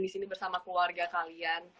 di sini bersama keluarga kalian